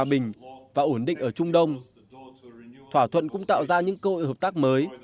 trong tiến trình hòa bình và ổn định ở trung đông thỏa thuận cũng tạo ra những cơ hội hợp tác mới